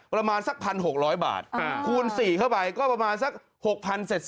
ประมาณสักพันหกร้อยบาทคูณ๔เข้าไปก็ประมาณสัก๖พันเศษ